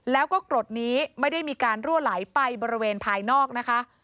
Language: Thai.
แล้วก็กรดนี้ไม่ได้มีการรั่วไหลไปบริเวณภายนอกนะคะ